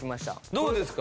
どうですか？